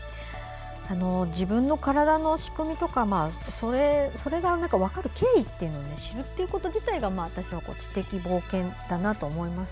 自分の体の仕組みとかそれが分かる経緯というのを知ること自体が私は知的冒険だなと思います。